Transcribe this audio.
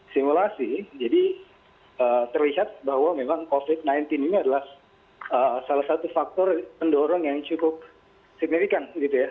simulasi jadi terlihat bahwa memang covid sembilan belas ini adalah salah satu faktor pendorong yang cukup signifikan gitu ya